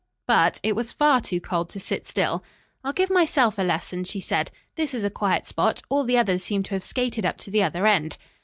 But it was far too cold to sit still. "I'll give myself a lesson," she said. "This is a quiet spot. All the others seem to have skated up to the other end."